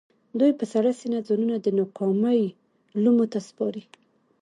دوی په سړه سينه ځانونه د ناکامۍ لومو ته سپاري.